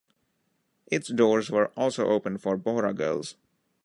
Its doors were also opened for Bohra girls.